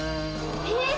えっ！